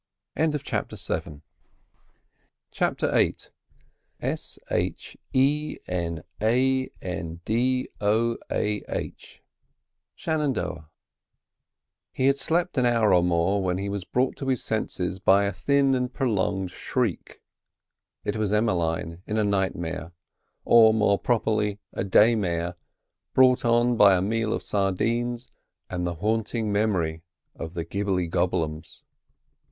CHAPTER VIII "S H E N A N D O A H" He had slept an hour and more when he was brought to his senses by a thin and prolonged shriek. It was Emmeline in a nightmare, or more properly a day mare, brought on by a meal of sardines and the haunting memory of the gibbly gobbly ums.